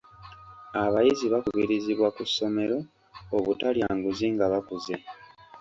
Abayizi bakubirizibwa ku ssomero obutalya nguzi nga bakuze.